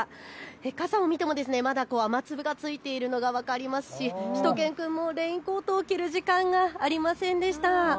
傘を見てもまだ雨粒がついているのが分かりますししゅと犬くんもレインコートを着る時間がありませんでした。